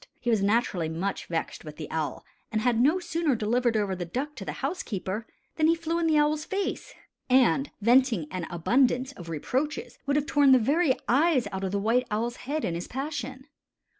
He was naturally much vexed with the owl, and had no sooner delivered over the duck to the housekeeper, than he flew in the owl's face and, venting an abundance of reproaches, would have torn the very eyes out of the White Owl's head in his passion.